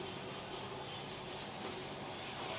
dan juga untuk menjaga kepentingan masyarakat